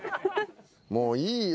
もういいよ。